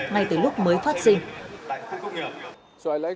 ngay từ lúc mới phát sinh